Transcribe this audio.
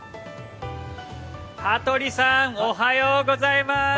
羽鳥さんおはようございます。